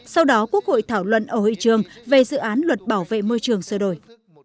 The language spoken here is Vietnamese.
sau đó quốc hội thảo luận ở hội trường về dự án luật bảo vệ môi trường sửa đổi